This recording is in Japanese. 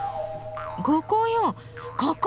ここよここ！